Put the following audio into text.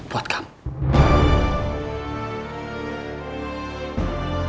aku akan tetap mencari diri